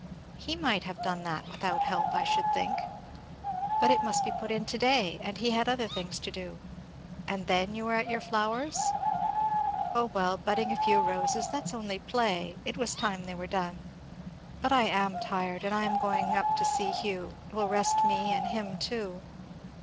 "He might have done that without help I should think." "But it must be put in to day, and he had other things to do." "And then you were at your flowers? " "O well! budding a few roses that's only play. It was time they were done. But I am tired; and I am going up to see Hugh it will rest me and him too."